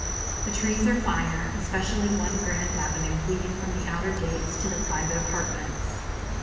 The trees are finer, especially one grand avenue leading from the outer gates to the private apartments.